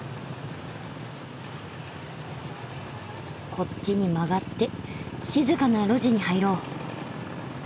こっちに曲がって静かな路地に入ろう。